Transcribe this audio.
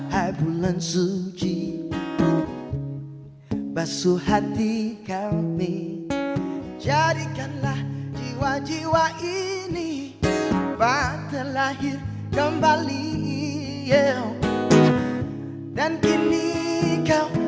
hai hai bulan suci basuh hati kami jadikanlah jiwa jiwa ini bakter lahir kembali dan kini kau